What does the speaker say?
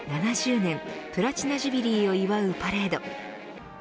７０年プラチナジュビリーを祝うパレード。